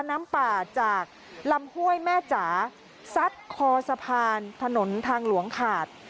น้ำป่าจากลำห้วยแม่จ๋าซัดคอสะพานถนนทางหลวงขาด